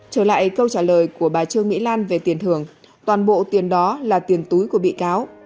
trở lại câu trả lời của bà trương mỹ lan về tiền thưởng toàn bộ tiền đó là tiền túi của bị cáo